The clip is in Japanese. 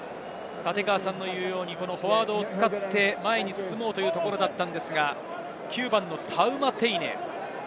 フォワードを使って前に進もうというところだったのですが、９番のタウマテイネ。